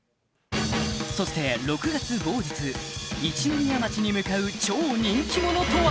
そして一宮町に向かう超人気者とは？